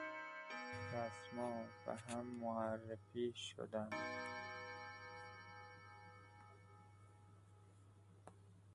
رسما به هم معرفی شدند.